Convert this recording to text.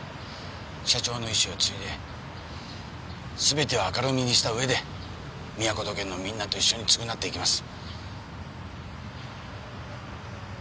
社長の遺志をついですべてを明るみにした上でみやこ土建のみんなと一緒に償っていきます。